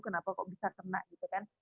kenapa kok bisa kena gitu kan